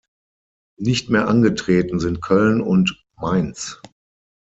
Nicht mehr angetreten sind Köln und Mainz.